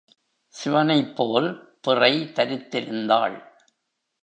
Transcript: சிவனைப்போல் பிறை தரித்திருந்தாள்.